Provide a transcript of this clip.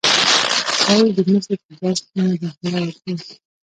ښايي د مسو په جذب کې مداخله وکړي